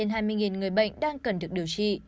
hơn hai mươi người bệnh đang cần được điều trị